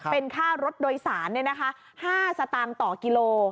เป็นค่ารถโดยสาร๕สตางค์ต่อกิโล